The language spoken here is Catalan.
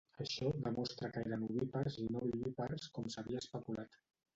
Això demostra que eren ovípars i no vivípars com s'havia especulat.